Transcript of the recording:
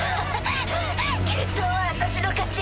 はぁ決闘は私の勝ち。